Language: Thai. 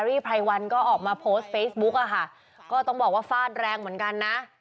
ไพรวันก็ออกมาโพสต์เฟซบุ๊กอะค่ะก็ต้องบอกว่าฟาดแรงเหมือนกันนะ